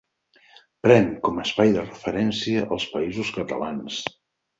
Pren com a espai de referència els Països Catalans.